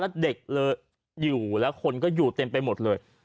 แล้วเด็กอยู่แล้วคนก็อยู่เต็มไปหมดเลย